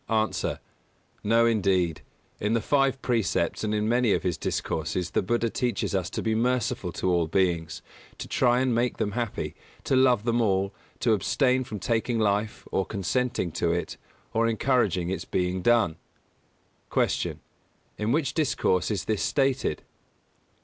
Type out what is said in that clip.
_ A. No, indeed. In the Five Precepts and in many of his discourses, the Buddha teaches us to be merciful to all beings, to try and make them happy, to love them all, to abstain from taking life, or consenting to it, or encouraging its being done. 202. Q. _In which discourse is this stated?